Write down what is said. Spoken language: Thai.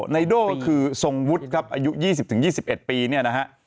นายโด่คือทรงวุฒิครับอายุ๒๐ถึง๒๑ปี